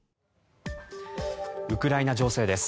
ウクライナ情勢です。